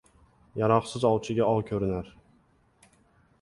• Yaroqsiz ovchiga ov ko‘rinar.